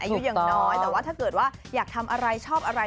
อายุอย่างน้อยแต่ว่าถ้าเกิดว่าอยากทำอะไรชอบอะไร